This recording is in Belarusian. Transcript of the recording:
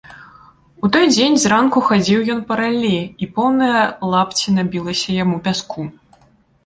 У той дзень зранку хадзіў ён па раллі, і поўныя лапці набілася яму пяску.